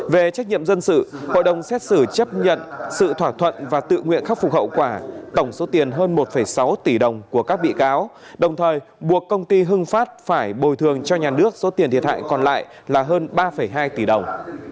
về trách nhiệm dân sự hội đồng xét xử chấp nhận sự thỏa thuận và tự nguyện khắc phục hậu quả tổng số tiền hơn một sáu tỷ đồng của các bị cáo đồng thời buộc công ty hưng phát phải bồi thường cho nhà nước số tiền thiệt hại còn lại là hơn ba hai tỷ đồng